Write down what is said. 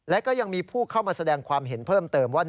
และก็ยังมีผู้เข้ามาแสดงความเห็นเพิ่มเติมว่า